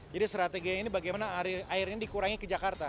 jadi strategi ini bagaimana airnya dikurangi ke jakarta